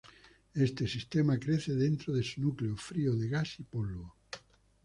Este sistema crece dentro de su núcleo frío de gas y polvo.